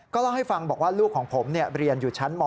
เล่าให้ฟังบอกว่าลูกของผมเรียนอยู่ชั้นม๔